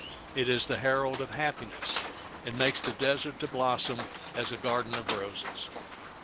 It is the herald of happiness, and makes the desert to blossom as a garden of roses.